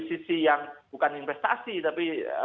sisi yang bukan investasi tapi